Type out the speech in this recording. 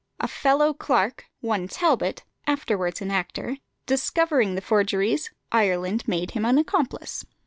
A fellow clerk, one Talbot, afterwards an actor, discovering the forgeries, Ireland made him an accomplice.